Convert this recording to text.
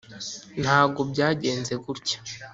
ntabwo byagenze gutya.